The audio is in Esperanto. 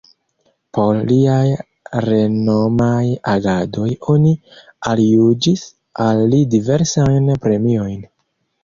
Por liaj renomaj agadoj oni aljuĝis al li diversajn premiojn.